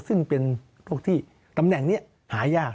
ซึ่งเป็นพวกที่ตำแหน่งนี้หายาก